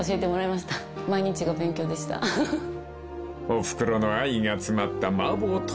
［おふくろの愛が詰まった］